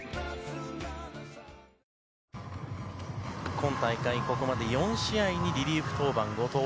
今大会、ここまで４試合にリリーフ登板、後藤。